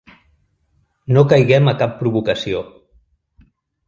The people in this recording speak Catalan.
No caiguem a cap provocació.